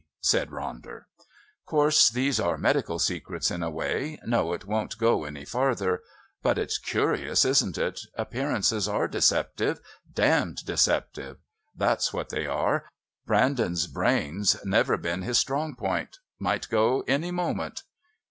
said Ronder. "Course these are medical secrets in a way. Know it won't go any farther. But it's curious, isn't it? Appearances are deceptive damned deceptive. That's what they are. Brandon's brain's never been his strong point. Might go any moment."